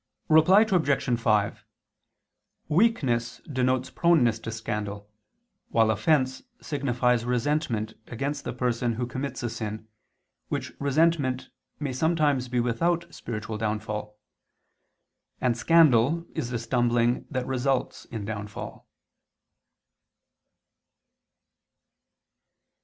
Reply Obj. 5: "Weakness" denotes proneness to scandal; while "offense" signifies resentment against the person who commits a sin, which resentment may be sometimes without spiritual downfall; and "scandal" is the stumbling that results in downfall.